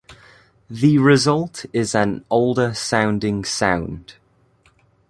The result is an older sounding sound.